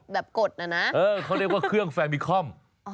แบบกดน่ะนะเค้าเรียกว่าเครื่องแฟมมิคคอม